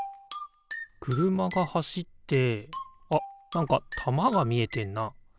くるまがはしってあっなんかたまがみえてんな。